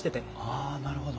ああなるほど。